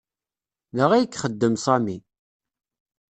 Da ay ixeddem Sami.